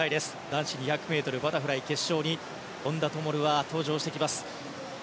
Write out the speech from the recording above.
男子２００ｍバタフライ決勝に本多灯が登場してきます。